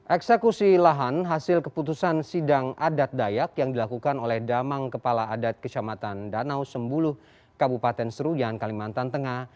eksekusi lahan hasil keputusan sidang adat dayak yang dilakukan oleh damang kepala adat kecamatan danau sembulu kabupaten seruyan kalimantan tengah